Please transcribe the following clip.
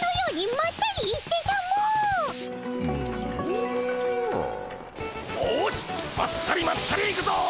まったりまったり行くぞ！